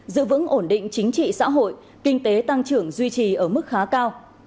giữ vững ổn định chính trị xã hội kinh tế tăng trưởng duy trì ở mức khá cao